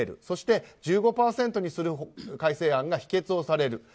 そして、１５％にする改正案が否決をされる。